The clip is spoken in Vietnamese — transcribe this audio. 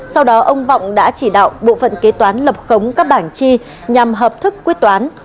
sau đó ông vọng đã chỉ đạo bộ phận kế toán lập khống các bảng chi nhằm hợp thức quyết toán